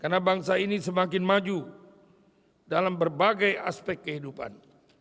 karena bangsa ini semakin maju dalam berbagai aspek kehidupan